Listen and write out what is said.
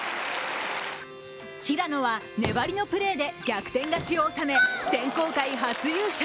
平野は粘りのプレーで逆転勝ちを収め、選考会初優勝。